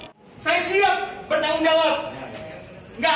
saya siap bertanggung jawab